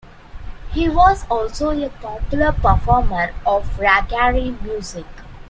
He was also a popular performer of Raggare music.